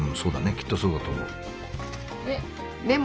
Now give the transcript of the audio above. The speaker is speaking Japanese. きっとそうだと思う。